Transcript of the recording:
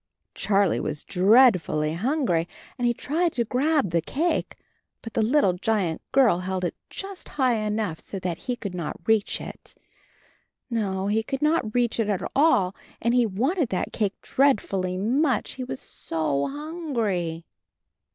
Charlie was dreadfully hungry and he tried to grab the cake, but the little giant girl held it just high enough so that he could not reach it. No, he could not reach it at all, and he wanted that cake dreadfully much, he was so hungry.